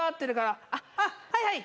あっはいはい。